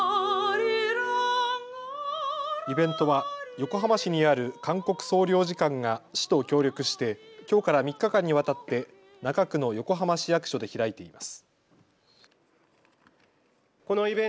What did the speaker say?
イベントは横浜市にある韓国総領事館が市と協力してきょうから３日間にわたって中区の横浜市役所で開いています。